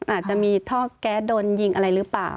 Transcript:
อาจจะมีท่อแก๊สโดนยิงอะไรหรือเปล่า